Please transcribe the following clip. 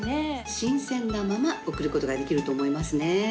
新鮮なまま送ることができると思いますね。